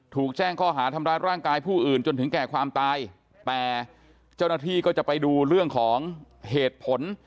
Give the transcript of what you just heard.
ถูกแจ้งข้อหาทำร้ายร่างกายผู้อื่นจนถึงแก่ความตายแต่เจ้าหน้าที่ก็จะไปดูเรื่องของเหตุผล